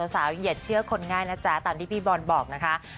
สาวอย่าเชื่อคนง่ายนะจ๊ะตามที่พี่บอลบอกนะคะ